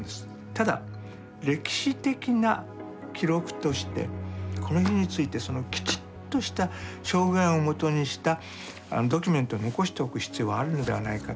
ただ歴史的な記録としてこの日についてきちっとした証言をもとにしたドキュメントを残しておく必要があるのではないかと。